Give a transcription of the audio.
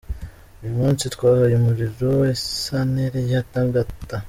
Uyu munsi twahaye umuriro isantere ya Tangata”.